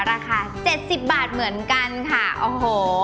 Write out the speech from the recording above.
ราคา๗๐บาทเหมือนกันค่ะโอ้โห